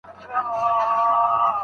آیا تواضع تر کبر ښه ده؟